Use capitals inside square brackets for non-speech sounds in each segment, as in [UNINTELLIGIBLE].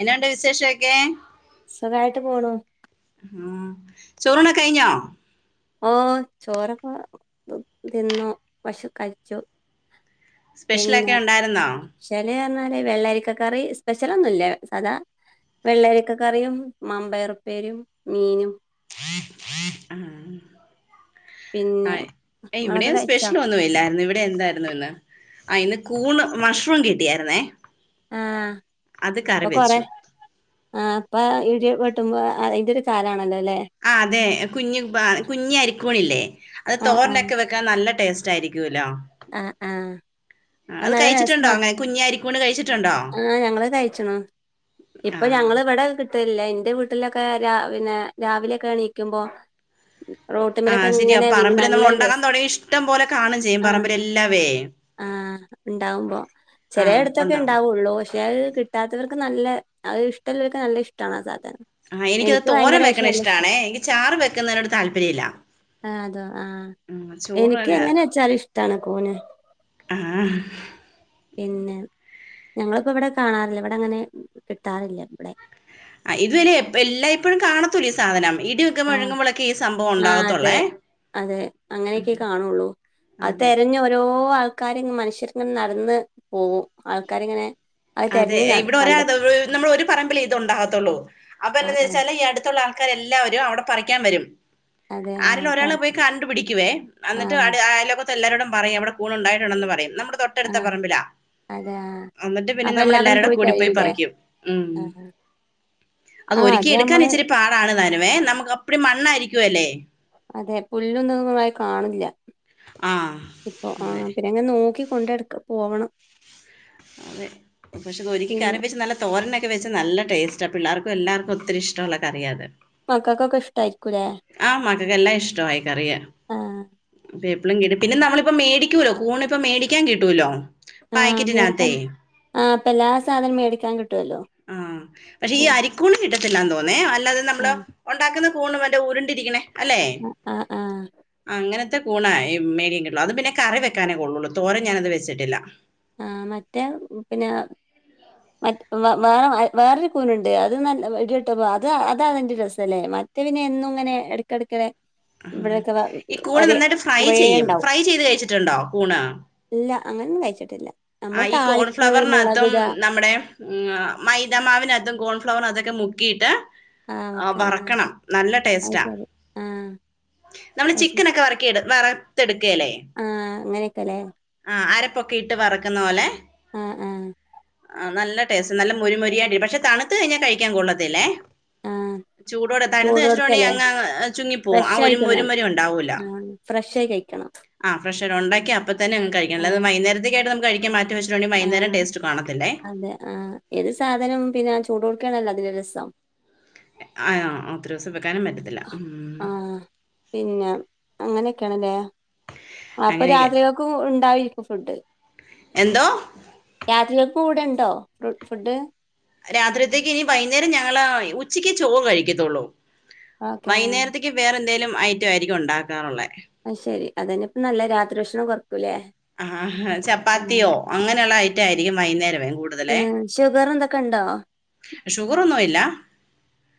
എന്നണ്ട് വിശേഷമൊക്കെ സുഖമായിട്ട് പോണു ഉം ചോറിണ കഴിഞ്ഞോ ഓഹ് ചോറൊക്ക തിന്നു ക്ഷണം കഴിച്ചു സ്പെഷ്യലൊക്കെ ഉണ്ടായിരുന്നോ പക്ഷന പറഞ്ഞാല് വെള്ളരിക്ക കറി സ്പെഷ്യല ഒന്നുല്ല അതാ വെള്ളരിക്ക കറിയും മാമ്പയറുപ്പേരും മീനും [INAUDIBLE] പിന്നെ ആഹ് നിങ്ങളൊക്കെ ഇവിടെയും കഴിച്ചോ സ്പെഷ്യൽ ഒന്നും ഇല്ലായിരുന്നു ഇവിടെ എന്തായിരുന്നു ന്ന് ആ ഇന്ന് കൂണ് മഷ്റൂം കിട്ടിയായിരുന്നേ ആഹ് അത് കറി ഇപ്പൊക്ക കൊറെ വെച്ചു ആഹ് അപ്പ ഇടി വെട്ടുമ്പോ അതിന്റെ ഒരു കാലാണല്ലോ അല്ലേ ആ അതെ കുഞ്ഞ് കുഞ്ഞ് അരിക്കണില്ലേ അത് ആഹ് ആഹ് തോറിനൊക്കെ നല്ല ടേസ്റ്റ് ആയിരിക്കുവല്ലോ ആഹ് ആഹ് അഹ് നല്ല കഴിച്ചിട്ടുണ്ടോ രസമാ അങ്ങനെ കുഞ്ഞ് അരിക്കൂണ് കഴിച്ചിട്ടുണ്ടോ ആഹ് ഞങ്ങളെ കഴിച്ചണു ആ ഇപ്പൊ ഞങ്ങൾ ഇവിടെ ല്ല എന്റെ വീട്ടിലൊക്കെ പിന്നെ രാവിലെക്കെണീക്കുമ്പോ ആഹ് ശരിയാ പറമ്പിൽ നമ്മൾ ഉണ്ടാക്കാൻ തുടങ്ങി ഇഷ്ടം പോലെ കാണും ചെയ്യും പറമ്പിൽ എല്ലാവേ ആഹ് ഉണ്ടാവുമ്പോ ആ ചെിലയിടത്തൊക്കെ ഉണ്ടാവും ഉണ്ടാവുള്ളൂ ഷേ ക് റ്റാത്തവർക്ക് നല്ല അ ഇഷ്ടള്ളവർക്ക് നല്ല ഇഷ്ടാണ് ആ സാധനം ആ എനിക്ക് എനിക്കത് ഭയങ്കര തോരം പക്ഷെ വെക്കണ നല്ല ഇഷ്ടം ഇഷ്ട്ടാണേ എനിക്ക് ചാറ് വെക്കുന്നതിനോട് താല്പര്യംല്ല ആ അതോ ആഹ് എനിക്ക് തന്നെ എങ്ങനെ വെച്ചാലും ഇഷ്ടാണ് ആഹ് പിന്നെ ഞങ്ങളിപ്പോ ഇവിടെ കാണാറില്ല ഇവിടെ അങ്ങനെ കിട്ടാറില്ല ഇവിടെ ആ ഇത് വരെ എല്ലായ്പപ്പോഴും കാണത്തൂല്ലൂ ഈ സാധനം ഇടി ഒക്കെ ആ് മുഴങ്ങുമ്പോഴൊക്കെ ഈ സംഭവം ആ അതെ ഉണ്ടാകത്തുള്ളേ അതെ അങ്ങനെയൊക്കെ കാണുള്ളൂ അത് അതെ തെരഞ്ഞ് ഓരോ ആൾക്കാരി മനുഷ്യർങ്ങനെ നടന്ന് പോകും ആൾക്കാരിങ്ങനെ അത് അതെ തെരഞ്ഞ് നട ഇവിടെ ഒരാ കണ്ടെത്തും നമ്മൾ ഒരു പറമ്പിൽേ ഇത് ഉണ്ടാകത്തുള്ളൂ അപ്പൊ ആ എന്താന്ന് ആ വെച്ചാല് ഈ അടുത്തുള്ള ആൾ ക്കാരെല്ലാവരും അവിടെ പറിക്കാൻ വരും അതെ ആ ആരേലും ഒരാൾ പറ പോയി കണ്ട് പിടിക്കുവേ എന്നിട്ട് ആ അയലൊക് ത്ത എല്ലാരോടും പറയും അവിടെ കൂണ ഉണ്ടായിട്ടുണ്ടന്ന് പറയും നമ്മുടെ തൊട്ടടുത്ത ആഹ് പറമ്പില അതെ ആഹ് എന്നിട്ട് പിന്നെ അപ്പൊ നമ്മള എല്ലാവരും എല്ലാരരുടെ കൂടി പോയി തരൂലേ പറിക്കും ഉം ആഹ് ആഹ് അതൊരിക്കി അത് എടുക്കാൻ നമ്മള് ഇച്ച് രി പാടാണ് താനമേ നമുക്ക് അപ്പടി മണ്ണായിരിക്കുവ അല്ലേ അതെ പുല്ല് ദൊന്നുംമായി കാണില്ല ആ ഇപ്പൊ ആ അതെ പിന്നെ അങ്ങനെ നോക്കി കൊണ്ടടുക്ക പോവണം അതെ പക്ഷെ ഇത് ഒരിക്കി കറി പിന്നെ വെച്ച് നല്ല തോരനൊക്കെ വെച്ച് നല്ല ടേസ്റ്റാ പിള്ളേർക്കും എല്ലർക്കും ഒത്തിരിഷ്ടുള്ള കറിയ അത് മക്കക്കൊക്കേ ഇഷ്ട്ടായികുലെ ആഹ് മക്കക്ക്െല്ലാം ഇഷ്ടമായ കറിയ ആഹ് ദേ എപ്പളും കീട്ടും പിന്നെ നമ്മളിപ്പ മേടിക്കൂല്ലോ കൂണ ഇപ്പ മേടിക്കാൻ കിട്ടൂലോ ആഹ മേടിക്കാൻ ആ് ഇപ്പൊ എല്ലാ സാധനവും മേടിക്കാൻ കിട്ടുവല്ലോ ആഹ പക്ഷെ ഈ അരിക്കൂണ് കിട്ടത്തില്ലാന്ന് തോന്നേ അല്ലാതെ നമ്മള് ആഹ് ഉണ്ടാക്കുന്ന കൂണ് മറ്റേ ഉ രുണ്ടിരിക്കണേ അല്ലേ ആഹ് ആഹ് അങ്ങനത്തെ കൂണ മേടിയ കിട്ടുള്ളു അത് പിന്നെ കറി വെക്കാനേ കൊള്ളുള്ളൂ തോരം ഞാനത് വെച്ചിട്ടില്ല ആ മറ്റേ പിന്നെ മ വേറെ വേറൊരു കൂനുണ്ട് അത് നല്ല ഇടിട്ടപ്പോ അത് അതാ അതിൻന്റെ രസ ല്ലേ ത് പിന്നെ എന്നുംങ്ങനെ എട് കിടുക്കറ ഉം ഈ കൂണ് നന്നായിട്ട് ഫ്രൈ കുറേ ചെയ്യും ഉണ്ടാവും ഫ്രൈ ചെയ്ത് കഴിച്ചിട്ടുണ്ടോ കൂണ് ഇല്ല അങ്ങനൊന്നും കഴിച്ചിട്ടില്ല ആ നമ്മൾ ഈ താളിപ്പ് കോൺഫ്ലവറിനകത്തും മുളകിട നമ്മുടെ മൈദാമാവിന് അതും കോൺഫ്ലവറും അതൊക്കെ മുക്കിയിട്ട് ആഹ് ആ ഒക്കെ ആഹ് വറക്കണം നല്ല അത് ടേസ്റ്റാ ശരി ആഹ് നമ്മള് അത് ശരി ചിക്കൻ ഒക്കെ വറക്കി വറത്തെടുക്കല്ലേ ആഹ് അങ്ങനെയൊക്കെല്ലേ ആഹ് അരപ്പൊക്കെ ഇട്ട് വറക്കുന്ന പോലെ ആഹ് ആഹ് ആഹ് നല്ല ടേസ്റ്റ് നല്ല മുരിമൊരിയാടി പക്ഷെ തണുത്ത് കഴിഞ്ഞാ കഴിക്കാൻ കൊള്ളതില്ലേ ആഹ് [INAUDIBLE] ചൂടോടെ തണുത്ത വെച്ചിട്ടോണ്ടെങ്ക ചൂടോട്ക്കല്ലേ അങ്ങ് ചുങ്ങിപ്പോവും ആ ഫ്രഷ് ഒരു ആയി ഒരു തിന്നണം മോരുമൊരു ഉണ്ടാവൂല ആഹ് ഫ്രഷ് ആയി കഴിക്കണം ആഹ് ഫ്രഷ് ഉണ്ടാക്കി അപ്പൊ തന്നങ്ങ് കഴിക്ക അല്ലാതെ ആഹ് വൈകുന്നേരത്തേക്കായിട്ട് നമുക്ക് കഴിക്കാൻ മാറ്റി വെച്ച നി വൈകുന്നേരം ആഹ് ടേസ് റ്റ് കാണത്തില്ലെ അതെ ആഹ് ഏത് സാധനം പിന്നെ ചൂടോട് ക്കാണല്ലോ അതിന്റെ രസം [UNINTELLIGIBLE] [UNINTELLIGIBLE] പറ്റത്തില്ല ഉം ആഹ് പിന്നെ അങ്ങനെയെക്കെയണല്ലേ അപ്പൊ അങ്ങനെയൊക്കെ രാത്രികൾക്കും ഉണ്ടായി ഫുഡ് എന്തോ രാത്രികൾക്കും ഇവടെയുണ്ടോ ഫുഡ് രാത്രിത്തേക്ക് ഇനി വൈകുന്നേരം ഞങ്ങള് ഉച്ചക്ക് ചോറ് കഴിക്കത്തുള്ളൂ ഓക്കെ ആഹ് വൈകുന്നേരത്തേ വേറെ എന്തെലും ഐറ്റം ആയിരിക്കും ഒണ്ടാക്കാറുള്ളെ ആഹ് ശരി അത് തന്നെ ഇപ്പെ നല്ല രാത്രി ഭക്ഷണം കൊറക്കൂല്ലേ ആഹ് ചപ്പാത്തിയോ അങ്ങനെയൊള്ള ഐറ്റം ആയിരിക്കും വൈകുന്നേരമേ കൂടുതലേ ആഹ് ഷുഗർ എന്തൊക്കെ ഒണ്ടോ ഷുഗറൊന്നുയില്ല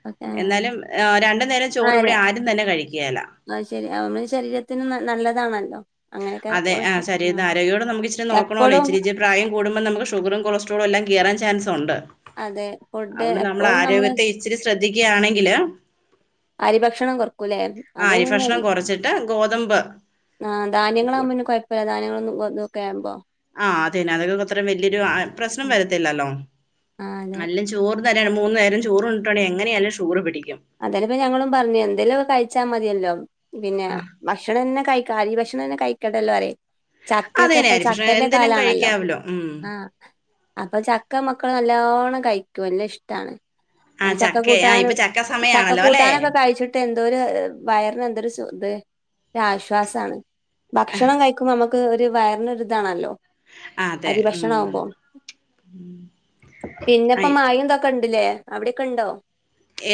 ഓക്കെ എന്നാലും ഏ രണ്ടു നേരം ചോറ് ഇവിടെ ആരും തന്നെ കഴിക്കേല ആഹ് ശരി നമ്മള് ശരീരത്തിന് നല്ലതാണല്ലോ അങ്ങനെയൊക്കെ അതെ കുറച്ച് ആഹ് ശരീരത്തി ആരോഗ്യയോടെ നമുക്ക് ഇച്ചിരി നോക്കണോല്ലോ എപ്പളും ഇച്ചിരിച്ചെ പ്രായം കൂടുമ്പോൾ നമ്മുക്ക് ഷുഗറും കൊളസ്ട്രോളുയെല്ലാം കേറാൻ ചാൻസ് ഉണ്ട് അതെ ഫുഡ് അതുകൊണ്ട് നമ്മളെ എപ്പോഴും നമ്മള് ആരോഗ്യത്തെ ഇച്ചിരി ശ്രദ്ധിക്കയാണെങ്കില് അരി ഭക്ഷണം കുറക്കൂലേ ആഹ് അതിന് അരിഭക്ഷണം കെറച്ചിട്ട് ഗോതമ്പ് ആഹ് ധാന്യങ്ങളാകുമ്പോ കൂട്- പിന്നെ കെഴപ്പമില്ല ധാന്യങ്ങളൊന്നും ഒക്കെ ആകുമ്പോ ആഹ് അതെ അതൊക്കെ അത്ര വലിയൊരു പ്രശ്നം വരത്തില്ലല്ലോ ആഹ് അതെ അല്ല ചോറ് തരൻ മൂന്ന് നേരം ചോറ് ഉണ്ടടെ എങ്ങനെയെലും ഷുഗർ പിടിക്കും അതലപ്പൊ ഞങ്ങളും പറഞ്ഞെ എന്തേലും കഴിച്ചാ മതിയല്ലോ പിന്നെ ആ, ദക്ഷ് ഭക്ഷണം തന്നെ കഴി അരി ഭക്ഷണം തന്നെ കഴിക്കട്ടല്ലോ പറയും അതന്നെ ചക്കക്കെപ്പൊ അരിഭക്ഷണം ചക്കന്റെ എന്തെലും കാലാണല്ലോ കഴിക്കാവല്ലോ ഉം ആഹ് അപ്പൊ ചക്ക മക്കള് നല്ലോണം കഴിക്കും അല്ലേ യിട്ടാണ് ആ ചക്ക ആ ഇപ്പൊ ചക്കകൂട്ടാനും ചക്ക സമയാണല്ലോ അല്ലെ കൂട്ടാനൊക്കെ കഴിച്ചിട്ട എന്തൊരു വയറിനു എന്തൊരു സു ഇത് ആശ്വാസം ആണ് ഭക്ഷണം കഴി നമുക്ക് ഒരു വയറിന് ഒരുയിതാണല്ലോ ആഹ് അതെ ഉം ആ, പിന്നെപ്പോ മായന്തൊക്കെ കണ്ടില്ലേ അവിടെക്കെ ഇണ്ടോ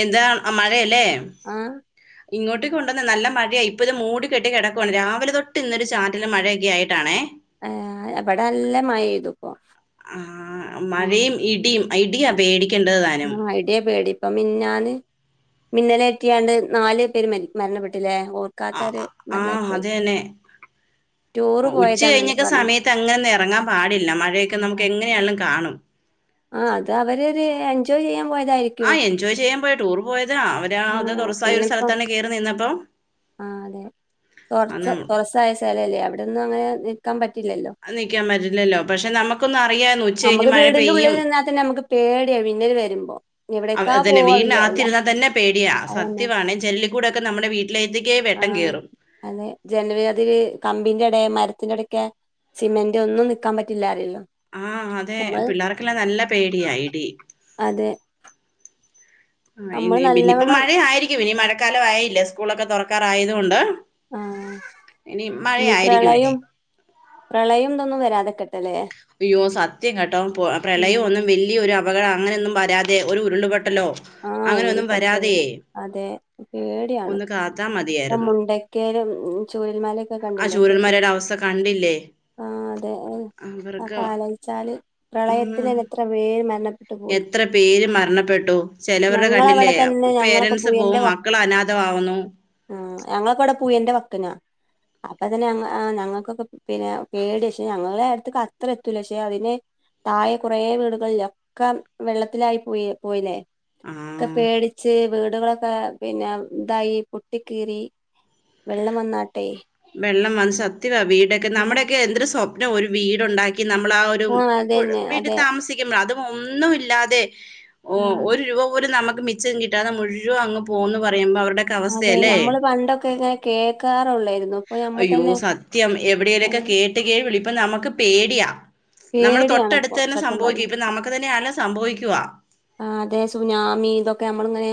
എന്താ മഴ അല്ലേ ആഹ് ഇങ്ങോട്ടേ കൊണ്ടുവന്ന നല്ല മഴയാ ഇപ്പ ഇത് മൂടി കെട്ടി കെടക്കുവാണ് രാവിലെ തൊട്ട് ഇന്ന് ഒരു ചാറ്റല മഴയൊക്കെ ആയിട്ടാണേ ആഹ് ഇവടെ നല്ല മഴ പെയ്തു ഇപ്പം ആഹ് മഴയും ഇടിയും ഇടിയാ പേടിക്കേണ്ടത് താനും അതെ പേടി ഇപ്പ മിന്നാന് മിന്നലെ എത്തിയാണ്ട് നാല് പേര് മരണപ്പെട്ടില്ലേ ആ ഓർക്കാത്തൊരു ആഹ് മരണായിപ്പോയി അത് തന്നെ ടൂറ് ഉച്ച പോയതാന്നല്ലേ കഴിഞ്ഞൊക്കെ പറഞ്ഞേ സമയത്ത് അങ്ങനെ എറങ്ങാൻ പാടില്ല മഴയൊക്കെ നമുക്ക് എങ്ങനെയാണാലും കാണും ആഹ് അത് അവര് എൻജോയ് ചെയ്യാൻ പോയതായിരിക്കും ആഹ് എൻജോയ് ചെയ്യാൻ പോയ ടൂർ പോയതാ അവര് അത് തൊറസായ ഒരു സ്ഥലത്താണ് കേറി നിന്നപ്പോ ആഹ് അതെ തൊറസ തൊറസ്സായ സ്ഥലല്ലേ അവിടൊന്നും അങ്ങനെ നിക്കാൻ പറ്റില്ലല്ലോ നിക്കാൻ പറ്റില്ലല്ലോ പക്ഷെ നമുക്കൊന്നറിയായിന്നു നമ്മക്ക് വീടിന്റെ ഉള്ളില് നിന്നാൽ തന്നെ നമുക്ക് പേടിയാ മിന്നല് വരുമ്പോ എവിടേക്കാ അതന്നെ പോവാ പിന്നെയില്ല വീടിനകത്തിരുന്നാൽ തന്നെ പേടിയാ സത്യമാണെ ജനലിക്കൂടൊക്കെ നമ്മടെ വീ ലെതികെ ആഹ് അതെ ജൻവരീ കമ്പിന്റെ എടെ മരത്തിന്റെ എടക്കെ സിമന്റ് ഒന്നും നിക്കാൻ പറ്റില്ലാ ആരെല്ലൊ ആഹ് അതെ പിള്ളേർക്കെല്ലാം നല്ല പേടിയാ ഇടി അതെ ആഹ് നമ്മള് ഇനി പിന്ന ഇപ്പ നല്ലവണ്ണം മഴ ആയിരിക്കും ഇനി മഴക്കാലം ആയില്ലേ സ്കൂളൊക്കെ തൊറക്കാറായതുകൊണ്ട് ആഹ് ഇനി മഴ ആയിരിക്കും ഇനി പ്രളയം ഇതൊന്നും വരാതെക്കട്ടെലേ അയ്യോ സത്യം കെട്ടോ പൊ പ്രളയം ഉം ഒന്നും വ ഈ ഒരു അപകടം അങ്ങനൊന്നും വരാതെ ഒരു ഉരുള്പൊട്ടല്ലോ ആഹ് ഉരുൾപൊട്ടല് അതെ പേടിയാണ് ഒന്ന് കാത്താ ഇപ്പം മതിയായിരുന്നു മുണ്ട കേരം ചൂരൽമലേക്ക ആ കണ്ടില്ലേ കേട്ട് ശൂരന്മാരുടെ അവസ്ഥ കണ്ടില്ലേ ആഹ് അതെ അവർക്ക് അതകലോയ്ച്ചാല് ഉം പ്രളയത്തില് തന്നെത്ര പേര് മരണപ്പെ എത്ര പേര് മരണപ്പെട്ടു ചെലവര്ടെ കണ്ടില്ലേ ഞങ്ങളവിടെ തന്നെ ഞങ്ങളൊക്കെ പേരൻസ് പുഴന്റെ പോവും വ മക്കള് അനാഥമാവുന്നു ആഹ് ഞങ്ങളൊക്ക ഇവട പുഴന്റ വക്കിനാ അപ്പ തന്നെ ഞങ്ങ ഞങ്ങക്കൊക്ക പിന്നെ പേടിയ ക്ഷേ ഞങ്ങളുടെ അടുത്ത്ക്ക് അത്ര എത്തൂല പക്ഷെ അതിന് താഴെ കൊറേ വീടുകളിലെ ഒക്ക വെള്ളത്തിലായി പോയി പോയില്ലേ ഒക്കെ ആ പേടി ച്ചേ വീടുകളൊക്ക പിന്ന ഇതായി പൊട്ടി കീറി വെള്ളം വന്നാട്ടെ വെള്ളം വന്ന് സത്യമാ വീടൊക്കെ ആഹ് നമ്മുടെക്കെ എന്തൊരു സ്വപ്നം ഒരു വീട് ഒണ്ടാക്കി ക്കി നമ്മളാ ആഹ് ഒരു അതന്നെ വീട്ടി അതെ താമസിക്കുമ്പ അതും ഒന്നുല്ലാതെ ഓഹ് ആഹ് ഒരു രൂപ പോലും നമ്മക്ക് മിച്ചം കിട്ടാത മുഴുവൻ അങ്ങ് പോവുന്ന് പറയുമ്പ അവര്ടെ അതെ നമ്മള് പണ്ടൊക്കെ ഇങ്ങനെ കേക്കാറൊള്ളെരുന്നു അയ്യോ സത്യം എവിടേലൊക്കെ കേട്ട് കേൾവി ഇപ്പം നമ്മക്ക് പേടിയാ നമ്മട പേടിയാണ് തൊട്ടട്ത്ത് ഇപ്പോ തന്നെ സത്യം സംഭവിക്കും ഇപ്പം നമ്മക്ക് തന്നെയാണ് സംഭവിക്കുവാ ആഹ് അതെ സുനാമി ഇതൊക്കെ നമ്മള് ഇങ്ങനെ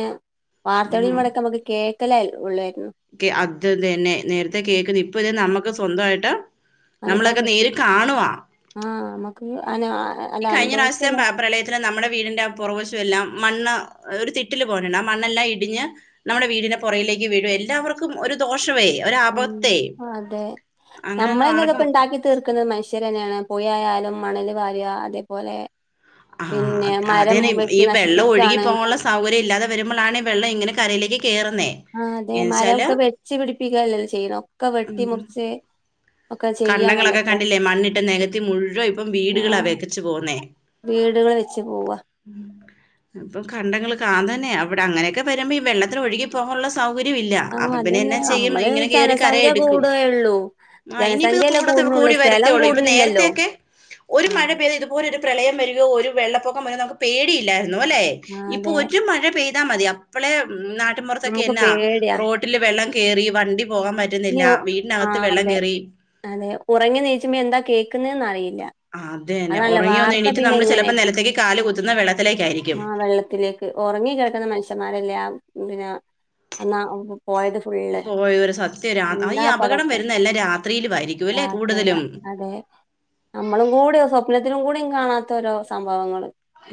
വാർത്തകളിൽ ഇടോക്ക നമ്മക്ക് കേ ക്കലേൽ ഉള്ളാവാര്ന്ന് കെ അത് തന്നെ നേര്ത്തെ കേക്ക്ണ് ഇപ്പ ഇത് നമ്മക്ക് സ്വന്തായിട്ട് അനുഭവ ആഹ് നമക്ക് അന അല്ല അനുഭവിക്കല്ല പിന്ന നമ്മട വീടിന്റ പൊറവശം എല്ലാം മണ്ണ് ഒര് തിട്ടില് പോണണ്ട് ആഹ് മണ്ണെല്ലാം ഇടിഞ്ഞ് നമ്മട വീടിന്റ പൊറകിലേക്ക് വീഴും എല്ലാവർക്കും ഒരു ദോഷവേ ആഹ് അതെ നമ്മള് അങ്ങനെയൊന്നും തന്നെ ആർക്കും ഇതൊക്കെ ഇണ്ടാക്കി തീർക്ക്ന്നത് മനുഷ്യര് തന്നെയാണ് പൊഴായാലും മണൽ വാര്ക അതേപോലെ ആഹ് പിന്നെ മരം അതെന്നെ ഈ വെട്ടി വെള്ളം നശിപ്പിക്കുകയാണ് ഒഴുകിപ്പോവാള്ള സ് സൗകര്യം ഇല്ലാതെ വരുമ്പളാണ് വെള്ളം ഇങ്ങനെ കരയിലേക്ക് കേറുന്നേ ആഹ് അതെ മരോക്ക വെച്ച് പിടിപ്പിക്കല്ലല്ലൊ ചെയ്യ്ന്നെ ഒക്ക വെട്ടി മുറിച്ച് കണ്ടങ്ങളൊക്ക കണ്ടില്ലേ മണ്ണിട്ട് നെകത്തി മുഴുവൻ ഇപ്പം വീടുകളാ വെക്കച്ചു പോവുന്നെ വീടുകള് വെച്ച് പോവാ ഉം അപ്പ കണ്ടങ്ങള് കാ അതന്നെ അവിടെ അങ്ങനെയൊക്കെ വരുമ്പൊ ഈ വെള്ളത്തിന് ഒഴുകി പോകാള്ള സൗകര്യം ഇല്ല ആഹ് അപ്പ പിന്നെ എന്നെ ചെയ്യും ഇങ്ങനെ കേറി കരയെടുക്കും എള്ളു ആഹ് ഇനിയിപ്പത് കൂടതെ ഉള്ളു കൂടി വരത്തെ ഒള്ളു ഇപ്പൊ നേരത്തേ കൂടുന്നില്ലല്ലോ. ഒക്കെ ഒരു ആഹ് മഴ പെ [UNINTELLIGIBLE] ഇത്പോലെ ഒരു പ്രളയം വരികോ ഒരു വെള്ളപ്പൊക്കം വരോ നമ്മക്ക് പേടിയില്ലായിരുന്നു അല്ലെ ഇപ്പൊ അതെ ഒരു മഴ പെയ് [UNINTELLIGIBLE] മതി അപ്പളെ നാട്ടിം പൊറത്തൊക്ക നമുക്ക് എന്നാ പേടിയാ റോ ട്ടില് വെള്ളം കേറി വണ്ടി പോകാൻ ഇനി പറ്റ്ന്നില്ല ഒ വീട്ടിനകത്ത് ആഹ് വെള്ളം അതെ കേറി അതെ ഒറങ്ങി നീച്ച്മ്പ എന്താ കേക്ക്ന്നേന്ന് അറിയില്ല ആഹ് അത്യെന്നെ അതാണല്ലോ ഒറങ്ങി വാർത്ത ഒന്നെണീറ്റ് പിന്നെ നമ്മള് ഇങ്ങനെ ചെലപ്പോ നെലത്തേക്ക് കാല് കുത്തുന്നെ വെള്ളത്തിലേക്കായിരിക്കും ആഹ് വെള്ളത്തിലേക്ക് ക്ക് ഒറങ്ങി കെടക്ക്ന്ന മന്ഷ്യന്മാരല്ലേ ആഹ് പിന്നെ അന്നാ പോയത് ഫുള്ള് ഓയൊരു സത്യാ രാ ഈ എന്താപ്പ അപകടം അതൊക്കെ വരുന്നെല്ലാം രാത്രിയിലുവായിരിക്കുല്ലെ കൂടുതലും വേം നമ്മളും ങ്കൂടി സ്വപ്നത്തിലും കൂടീം കാണാത്ത ഓരോ സംഭവങ്ങള്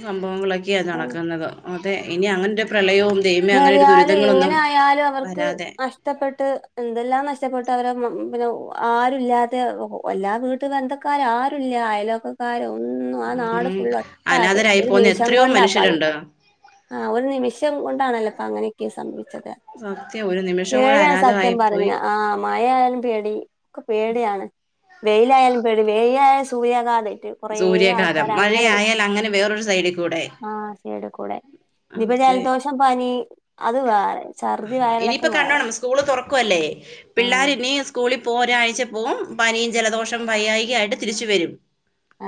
സംഭവങ്ങളൊക്കെയാ നടക്ക്ന്നത് അതെ ഇനി അങ്ങനൊര് പ്രളയവും ദൈവമേ അങ്ങനൊരു ന്നര്യാലു ദുരിതങ്ങളൊന്നും ഇങ്ങനെ ആയാലുഅവർക്ക് വരാതെ അഷ് ഷ്ടപ്പെട്ട് എന്തെല്ലാം നഷ്ടപ്പെട്ട് അവരെ മ പിന്നെ ആരുല്ലാതെ എല്ലാ വീട്ട് ത്ത് ബന്ധക്കാര് ആരുല്ല അയൽവക്ക ക്കാര് ഒന്നും ആഹ് നാട് ഉം ഫുള്ള് ഒട്ടാകെ അനാഥരായി ഒരു പോകുന്ന നിമിഷം എത്രയോ കൊണ്ടാപ്പത് മനുഷ്യരുണ്ട് ആഹ് ഒരു നിമിഷം കൊണ്ടാണല്ലോ പ്പൊ അങ്ങനെയൊക്കെ സംഭവിച്ചത് സത്യം ഒരു നിമിഷം കൂടെ ഏഴാ സത്യം അനാഥമായി പറഞ്ഞ പോയി ആഹ് മയായാലും പേടി ക്കൊ പേടിയാണ് വെയിലായാലും പേടി വെയിലായ സൂര്യാഘാതേറ്റു സൂര്യാഘാതം മഴെ ആയാൽ അങ്ങനെ വേറൊരു സൈഡീ കൂടെ സൈഡ് കൂടെ ഇഞിപ്പോ അതെ ജൽദോഷം പനി അത് വേറെ ഛർദി വയറെളക്കം വേറെ സ്കൂൾ തൊറക്വല്ലേ ആ പിള്ളാര് നീ സ്കൂളിപ്പോ ഒരാഴ്ച പോവും പനിയും ജലദോഷം വൈയ്യായ്കയായിട്ട് തിരിച്ച് വരും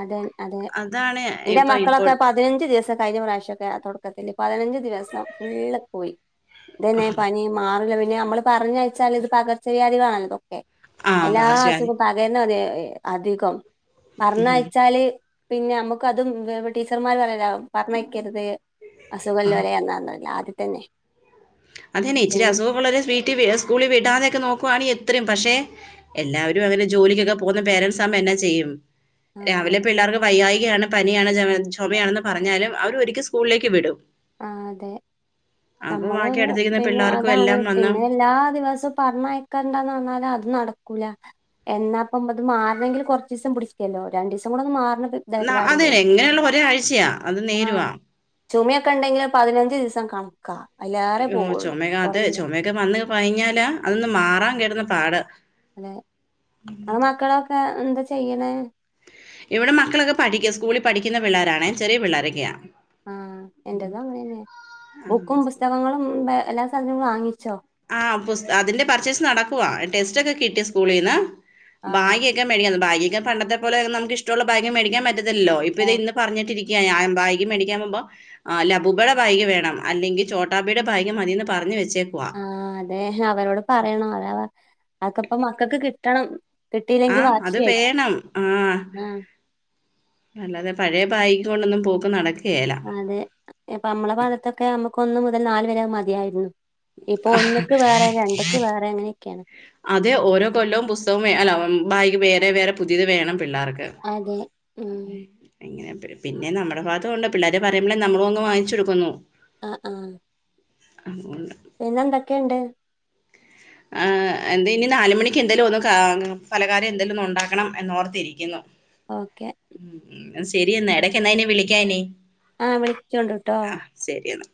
അതെൻ അതെ അതാണ് എന്റെ ഇപ്പൊ മക്കളൊക്കെ പ ഇപ്പോഴത്തെ പതിനഞ്ച് ദിവസം കഴിഞ്ഞ പ്രാവിശ്യോക്കെ തൊടക്കത്തില് പതിനഞ്ച് ദിവസം ഫുള്ള് പോയി തെന്നെ പനി മാറില്ല പിന്നെ അമ്മള് പറഞ്ഞയച്ചാല്ത് പകർച്ചവ്യാധികളാൺല്ലോ എ ആ എല്ലാ പാർശ്വവായു അസുഖോം പകര്നൊരേ എ അധികം പർന്ന ഉം ന്നാല് പിന്നെ അമ്മക്ക് അതും വേവ ടീച്ചർമാര് പറ്യലോ പറഞ്ഞക്കര്തേ ആ അസുഖല്ലോരെ എന്നാന്നല്ല ആദ്യത്തന്നെ അതെന്നെ ഇച്ചിരി അസുഖൊക്കൊള്ളോരെ വീട്ടി വി സ്കൂളി വിടാതെയൊക്കെ നോക്കുവാണീഎത്രിംപക്ഷെ എല്ലാവരുഅങ്ങനെ ജോലിക്കൊക്കെ പോകുന്ന പേരൻസാമ്പോ എന്നാ ചെയ്യും ആ അതെ രാവിലെ പിള്ളാർക്ക് വയ്യായ്കയാണ് പനിയാണ് ജെമ ച്ചൊമയാണെന്ന് പറഞ്ഞാലും അവർ ഒര്ക്കി സ്കൂളിലേക്ക് വിടും ആഹ് അതെ അപ്പം നമ്മള് ബാക്കി ഉം അടുത്തിരിക്കുന്ന പിന്നെ പിള്ളേർക്കും അതാണ് എല്ലാം വന്ന് പിന്നെ എല്ലാ ദിവസുപർണയ് ക്കണ്ടാന്നർഞ്ഞാല അത് നടക്കൂല എന്നാപ്പം അത് മാർണെങ്കിൽ കൊർച്ചീസം പുടിക്യല്ലോ രണ്ടീസംകൂടന്ന് മാർന്ന്ട്ട്‌ ന്ന അതെനെങ്ങനെള്ള ഒരാഴ്ച്യയാ അത് നേരുവാ ചുമയൊക്കെണ്ടെങ്കിൽ പതിനഞ്ച് ദിസം കണക്കാ അതിലേറെ അയ്യോ പോവുള്ളൂ ചൊമയകെഅത് കൊറയൂല ചൊമേക്കെ വന്ന് പയിഞ്ഞാലാഅതൊന്ന് മാറാൻ കെട്ന്ന പാട് അതെ ങ്ങളെ മക്കളൊക്കെ എന്താ ചെയ്യ്ണേ ഇവ്ടെ മക്കളൊക്കെ പഠിക്യസ്കൂളിൽ പഠിക്യന്ന പിള്ളാരാണേ ചെറിയ പിള്ളാരൊക്യാ ആഹ് എന്റതും അങ്ങനെന്നെ ബുക്കും പുസ്തകങ്ങളും ബേ എല്ലാ സാധ്നങ്ങളും വാങ്ങിച്ചോ ആഹ് പുസ്ത അതിന്റെ പർച്ചേസ് നടക്കുവാ ടെസ്‌റ്റൊക്കെ കിട്ടി സ്കൂളീന്ന് ആഹ് ബാകി ക്കെ മേടിക്യന്നും ബാഗീക്കെ പണ്ടത്തെ പോലെ നമുക്കിഷ്ട്ടൊള്ള ബാഗ് മേടിക്കാൻ പറ്റത്തില്ലല്ലോ ഇപ്പൊ ഓ ഇത് ഇന്ന് പറഞ്ഞിട്ടിരി ക്ക്യ ഞായം ബാഗ് മേടിക്യാൻ പോവുമ്പോ ആഹ് ലബൂബടെ ബാഗ് വേണം അല്ലെങ്കി ചോട്ടാബിടെ ബാഗ് മതീന്ന് പറഞ്ഞ് വെച്ചേക്കുവാ ആഹ് അതെ അവരോട് പറയണം അതാ പർ അത്ക്കപ്പം മക്കക്ക് കിട്ടണം കിട്ടിയില്ലെങ്കി ആഹ് അത് വാശിയായി വേണം ആഹ് ആഹ് അല്ലാതെ പഴേ ബാഗ്കൊണ്ടൊന്നും പോക്ക് നടക്യേല അതെ പ്പമ്മളെ ഭാഗത്തൊക്കെ അമ്മക്ക് ഒന്ന് മുതൽ നാല് വരെ അത് മതിയായിര്ന്നു ഇപ്പൊ ഒന്ന്ക്ക് വേറെ രണ്ട്ക്ക് വേറെ അങ്ങനെക്കേണ് അതെ ഓരോ കൊല്ലവും പുസ്തകവും അല്ല ബാഗ് വേറെ വേറെ പുതിയത് വേണം പിള്ളാർക്ക് അതെ ഉം ഇങ്ങനെ പിന്നെ നമ്മടെ ഭാഗത്തൂണ്ട് പിള്ളാര് പറയുമ്പള് നമ്മളും അങ്ങ് വാങ്ങിച്ചോട്ക്കുന്നു ആഹ് ആഹ് അ പിന്നെ എന്തൊക്കെയുണ്ട് ആഹ്എന്ത് ഇനി നാലുമണിക്ക് എന്തേല ഒന്ന് ഫലകാരം എന്തേലും ഒന്നും ഉണ്ടാക്കണം എന്നോ ർത്തിരിക്കുന്നു ഓക്കെ ഉ ശരി എന്നാ എടക്ക് ന്നാെ വിളിക്കാന്നെ ആഹ് വിളിക്കൊണ്ട് ട്ടോ ശരിയെന്നാ